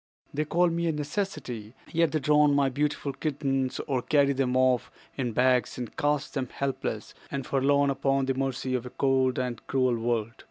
"They call me a necessity, yet they drown my beautiful kittens, or carry them off in bags and cast them helpless and forlorn upon the mercy of a cold and cruel world.